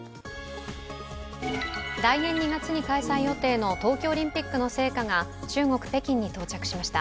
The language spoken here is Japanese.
来年２月に開催予定の冬季オリンピックの聖火が中国・北京に到着しました。